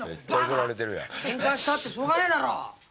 けんかしたってしょうがねえだろ